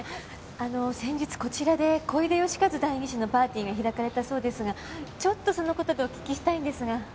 あの先日こちらで小出義和代議士のパーティーが開かれたそうですがちょっとその事でお訊きしたいんですが。